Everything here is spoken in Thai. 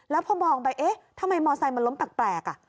แล้วพอมองไปเอ๊ะทำไมมอเตอร์ไซค์มันล้มตากแปลกอ่ะ